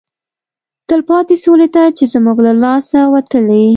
تلپاتې سولې ته چې زموږ له لاسه وتلی